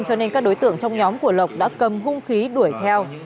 cho nên các đối tượng trong nhóm của lộc đã cầm hung khí đuổi theo